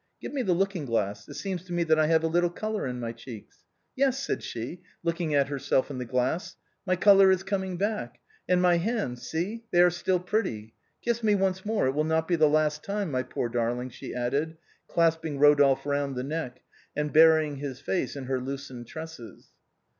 Give me the looking glass, it seems to me that I have a little color in my cheeks. Yes," said she, looking at herself in the glass, " my color is coming liack, and my hands, see, they are still pretty; kiss me once more, it will not be the last time, my poor darling," she added, clasping Eodolphe round the neck, and burying his face in her loosened tresses.